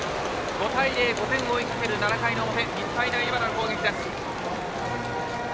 ５対０、５点を追いかける７回の表日体大荏原の攻撃です。